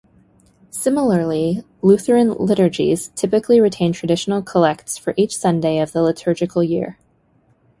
Similarly, Lutheran liturgies typically retain traditional collects for each Sunday of the liturgical year.